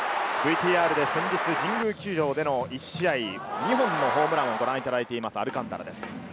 ＶＴＲで先日神宮球場での１試合２本のホームランをご覧いただいています、アルカンタラです。